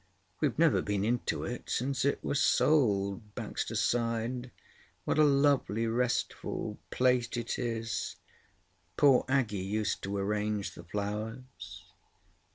"I've never been into it since it was sold," Baxter sighed. "What a lovely, restful plate it is! Poor Aggie used to arrange the flowers."